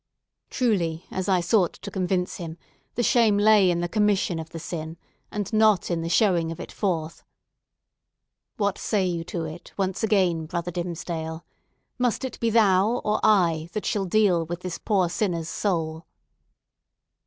Truly, as I sought to convince him, the shame lay in the commission of the sin, and not in the showing of it forth. What say you to it, once again, brother Dimmesdale? Must it be thou, or I, that shall deal with this poor sinner's soul?"